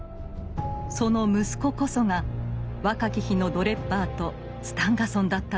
その息子こそが若き日のドレッバーとスタンガソンだったのです。